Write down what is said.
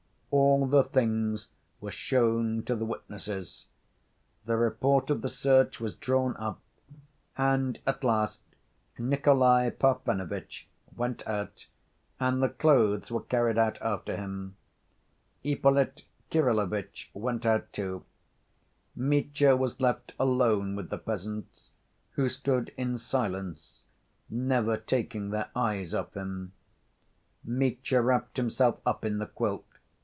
All the things were shown to the witnesses. The report of the search was drawn up, and at last Nikolay Parfenovitch went out, and the clothes were carried out after him. Ippolit Kirillovitch went out, too. Mitya was left alone with the peasants, who stood in silence, never taking their eyes off him. Mitya wrapped himself up in the quilt.